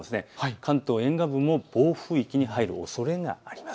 関東沿岸部も暴風域に入るおそれがあります。